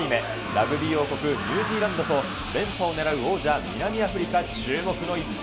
ラグビー王国、ニュージーランドと連覇を狙う王者、南アフリカ、注目の一戦。